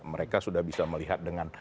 mereka sudah bisa melihat dengan